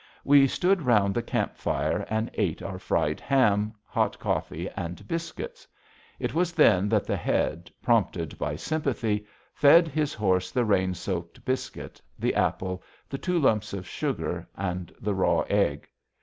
We stood round the camp fire and ate our fried ham, hot coffee, and biscuits. It was then that the Head, prompted by sympathy, fed his horse the rain soaked biscuit, the apple, the two lumps of sugar, and the raw egg.